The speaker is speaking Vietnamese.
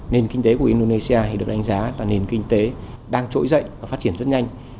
nền kinh tế của indonesia được đánh giá là nền kinh tế đang trỗi dậy và phát triển rất nhanh